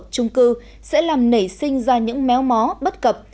trung cư sẽ làm nảy sinh ra những méo mó bất cập